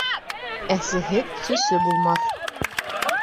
Әсеһеҙ сөсө булмаҫ.